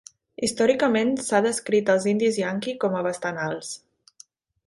Històricament s'ha descrit els indis yaqui com a bastant alts.